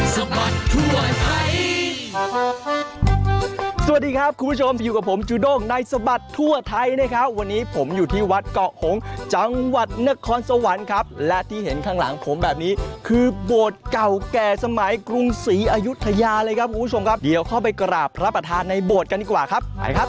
สวัสดีครับคุณผู้ชมอยู่กับผมจูด้งในสบัดทั่วไทยนะครับวันนี้ผมอยู่ที่วัดเกาะหงจังหวัดนครสวรรค์ครับและที่เห็นข้างหลังผมแบบนี้คือโบสถ์เก่าแก่สมัยกรุงศรีอายุทยาเลยครับคุณผู้ชมครับเดี๋ยวเข้าไปกราบพระประธานในโบสถ์กันดีกว่าครับไปครับ